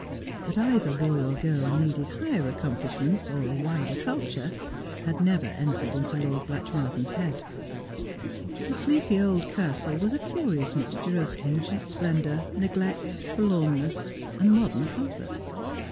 That either boy or girl needed higher accomplishments or a wider culture had never entered into Lord Blatchmardean's head. The sleepy old castle was a curious mixture of ancient splendour, neglect, f orlormiess, and modern comfort.